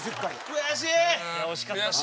悔しい！